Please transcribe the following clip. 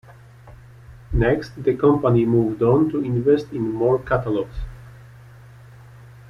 Next, the company moved on to invest in more catalogs.